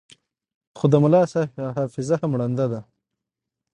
خو د ملاصاحب حافظه هم ړنده ده.